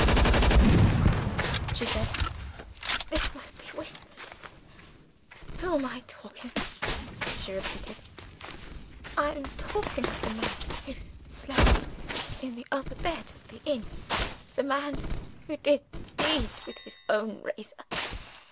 "Come closer," she said, "this must be whispered. Who am I talking of?" she repeated. "I am talking of the man who slept in the other bed at the inn; the man who did the deed with his own razor.